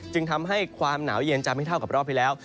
จึงทำให้ความหนาวเย็นจะไม่เท่ากับรอบที่แล้ว